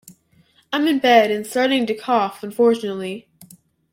I'm in bed and starting to cough, unfortunately.